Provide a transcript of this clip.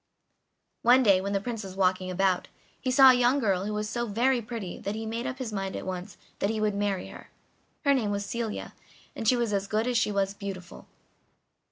One day, when the Prince was walking about, he saw a young girl who was so very pretty that he made up his mind at once that he would marry her. Her name was Celia, and she was as good as she was beautiful.